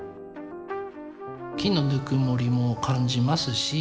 木のぬくもりも感じますし。